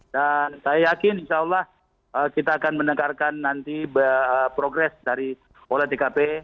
dan saya yakin insya allah kita akan mendengarkan nanti progres dari oleh tkp